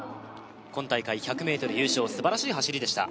今大会１００ｍ優勝素晴らしい走りでした